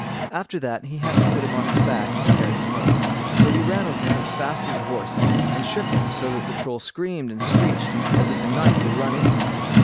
After that he had to put him on his back and carry him home; so he ran with him as fast as a horse, and shook him so that the Troll screamed and screeched as if a knife were run into him.